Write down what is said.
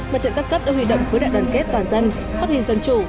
mặt trận tăng cấp được huy động với đại đoàn kết toàn dân phát huyền dân chủ